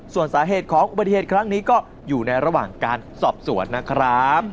ส่วนสาเหตุของอุบัติเหตุครั้งนี้ก็อยู่ในระหว่างการสอบสวนนะครับ